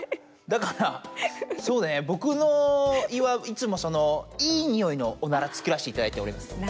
だからそうねボクの胃はいつもそのいいにおいのおならつくらせていただいております。